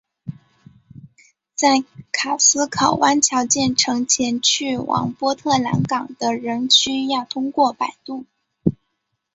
在卡斯考湾桥建成前去往波特兰港的人需要通过摆渡。